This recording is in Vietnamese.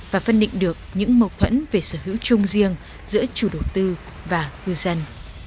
và phân định được những mâu thuẫn về sở hữu chung riêng giữa chủ đầu tư và cư dân